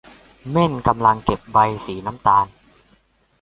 เม่นกำลังเก็บใบสีน้ำตาล